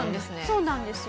そうなんですよ。